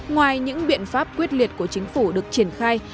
ngoài những biện pháp quyết liệt của chính phủ được triển khai